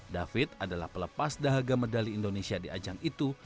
david adalah pelepas dahaga medali indonesia di ajang itu